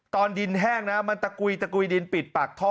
ตอนดินแห้งนะมันตะกุยตะกุยดินปิดปากท่อ